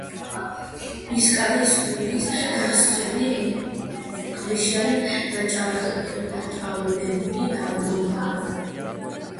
ბისკაის ყურის გასწვრივ ქვიშიანი დაჭაობებული დაბლობია.